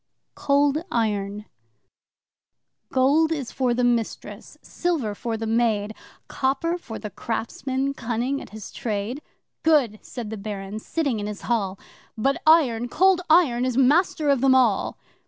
Cold Iron 'Gold is for the mistress silver for the maid! Copper for the craftsman cunning at his trade.' 'Good!' said the Baron, sitting in his hall, 'But Iron Cold Iron is master of them all!